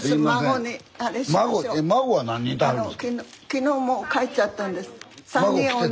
昨日もう帰っちゃったんです。